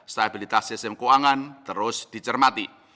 stabilitas sistem keuangan terus dicermati